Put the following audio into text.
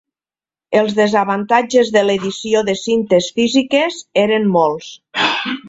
Els desavantatges de l'edició de cintes físiques eren molts.